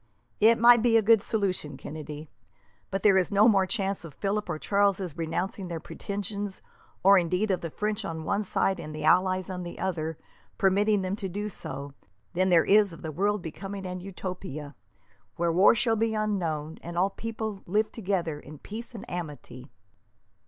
"It might be a good solution, Kennedy, but there is no more chance of Philip or Charles renouncing their pretensions, or indeed of the French on one side and the allies on the other permitting them to do so, than there is of the world becoming an utopia, where war shall be unknown, and all peoples live together in peace and amity."